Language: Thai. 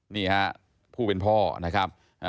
นี่ฮะผู้เป็นพ่อนะครับ